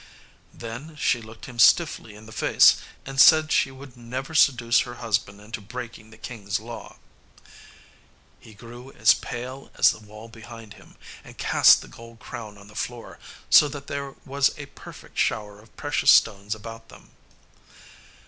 Then she looked him stiffly in the face, and said she would never seduce her husband into breaking the king's law. He grew as pale as the wall behind him, and cast the gold crown on the floor, so that there was a perfect shower of precious stones about them.